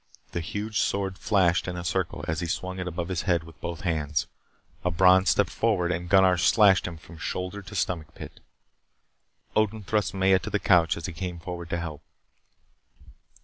The huge sword flashed in a circle as he swung it above his head with both hands. A Bron stepped forward and Gunnar slashed him from shoulder to stomach pit. Odin thrust Maya to the couch as he came forward to help.